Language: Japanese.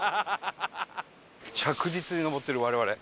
着実に登ってる我々。